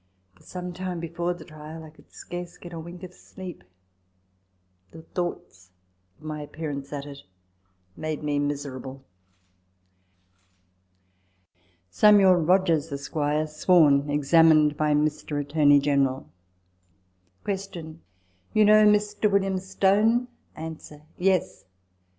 For some time before the trial I could scarcely get a wink of sleep : the thoughts of my appearance at it made me miserable. " Samuel Rogers, Esq. (sworn). Examined by Mr. Attorney General. Q. You know Mr. William Stone ? A. Yes. . Q.